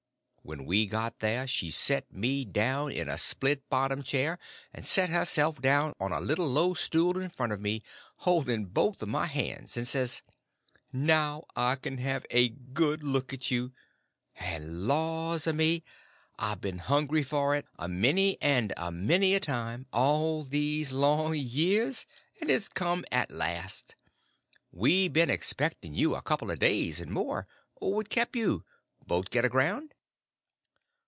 When we got there she set me down in a split bottomed chair, and set herself down on a little low stool in front of me, holding both of my hands, and says: "Now I can have a good look at you; and, laws a me, I've been hungry for it a many and a many a time, all these long years, and it's come at last! We been expecting you a couple of days and more. What kep' you?—boat get aground?"